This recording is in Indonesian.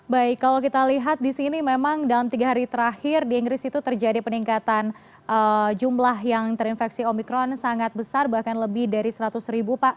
baik kalau kita lihat di sini memang dalam tiga hari terakhir di inggris itu terjadi peningkatan jumlah yang terinfeksi omikron sangat besar bahkan lebih dari seratus ribu pak